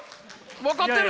分かってる！